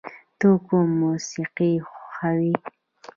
ته کوم موسیقی خوښوې؟